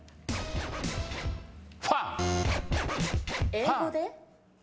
英語で？